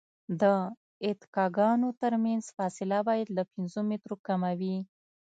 د اتکاګانو ترمنځ فاصله باید له پنځو مترو کمه وي